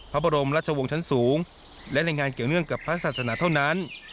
พระบรมราชวงศ์ชั้นสูงและในงานเกี่ยวเนื่องกับพระศาสนาเท่านั้น